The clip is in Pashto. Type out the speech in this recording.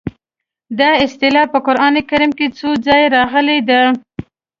دا اصطلاح په قران کې څو ځایه راغلې ده.